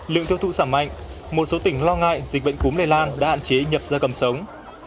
lượng tiêu thụ giảm mạnh một số tỉnh lo ngại dịch bệnh cúm lây lan đã hạn chế nhập ra cầm sống